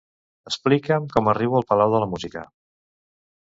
Explica'm com arribo al Palau de la Música.